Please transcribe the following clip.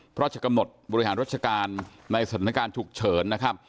พระอาจกระหนดบริหารรัชกาลในศนิการถูกเฉิน